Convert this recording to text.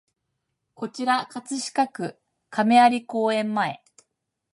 こちら葛飾区亀有公園前